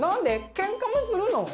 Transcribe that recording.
ケンカもするの？